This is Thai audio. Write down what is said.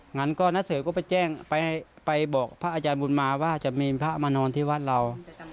งั้นก็นักสื่อก็ไปแจ้งไปบอกพระอาจารย์บุญมาว่าจะมีพระมานอนที่วัดเรา